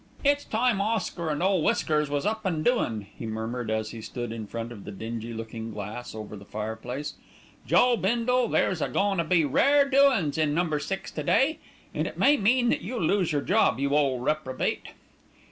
"It's time Oscar an' Ole Whiskers was up an' doin'," he murmured as he stood in front of the dingy looking glass over the fireplace. "Joe Bindle, there's a goin' to be rare doin's in Number Six to day, and it may mean that you'll lose your job, you ole reprobate."